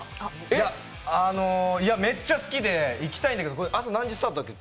いや、めっちゃ好きで行きたいんだけど、これ、朝何時スタートだっけ？